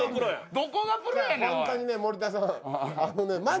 どこがプロやねんおい。